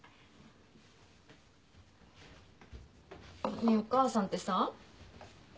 ねえお母さんってさお味噌汁